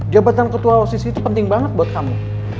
jabatan ketua osisi itu penting banget buat kamu